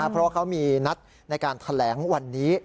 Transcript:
เพราะเขามีนัดในการแถลงวันนี้